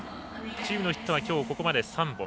チームのヒットはきょうここまで３本。